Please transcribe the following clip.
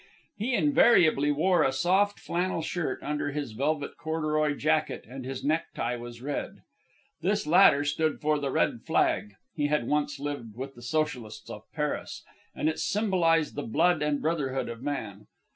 He invariably wore a soft flannel shirt under his velvet corduroy jacket, and his necktie was red. This latter stood for the red flag (he had once lived with the socialists of Paris), and it symbolized the blood and brotherhood of man.